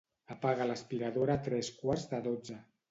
Apaga l'aspiradora a tres quarts de dotze.